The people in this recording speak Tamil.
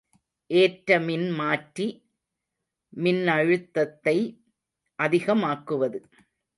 ஏற்ற மின்மாற்றி மின்னழுத்தத்தை அதிகமாக்குவது.